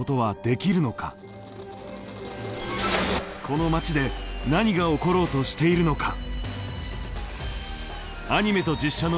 この町で何が起ころうとしているのか。